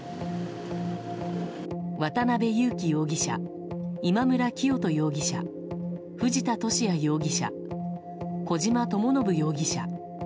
渡辺優樹容疑者今村磨人容疑者藤田聖也容疑者小島智信容疑者。